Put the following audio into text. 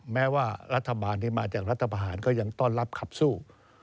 แม้ว่ารัฐบาลที่มาจากรัฐประหารก็ยังต้อนรับขับสู้